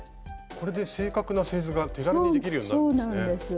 これで正確な製図が手軽にできるようになるんですね。